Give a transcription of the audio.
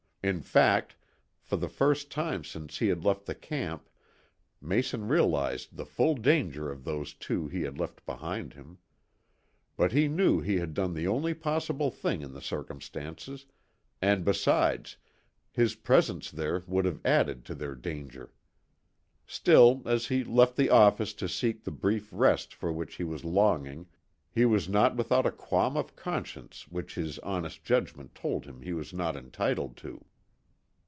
In fact, for the first time since he had left the camp Mason realized the full danger of those two he had left behind him. But he knew he had done the only possible thing in the circumstances, and besides, his presence there would have added to their danger. Still, as he left the office to seek the brief rest for which he was longing, he was not without a qualm of conscience which his honest judgment told him he was not entitled to.